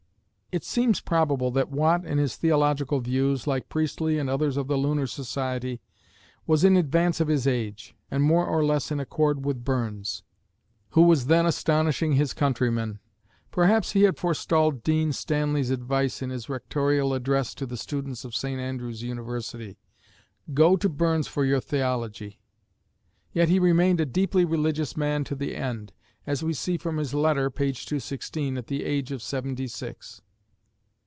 It seems probable that Watt, in his theological views, like Priestley and others of the Lunar Society, was in advance of his age, and more or less in accord with Burns, who was then astonishing his countrymen. Perhaps he had forstalled Dean Stanley's advice in his rectorial address to the students of St. Andrew's University: "go to Burns for your theology," yet he remained a deeply religious man to the end, as we see from his letter (page 216), at the age of seventy six.